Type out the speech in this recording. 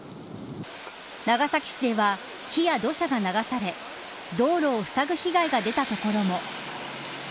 長崎市では木や土砂が流され道路をふさぐ被害が出た所も。